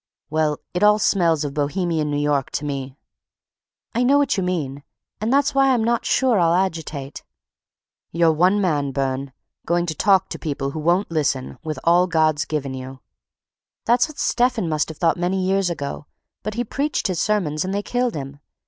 "Well, it all smells of Bohemian New York to me." "I know what you mean, and that's why I'm not sure I'll agitate." "You're one man, Burne—going to talk to people who won't listen—with all God's given you." "That's what Stephen must have thought many years ago. But he preached his sermon and they killed him.